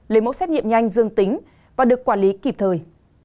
lấy mẫu xét nghiệm nhanh dương tính và được quản lý kịp thời